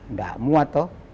nggak muat toh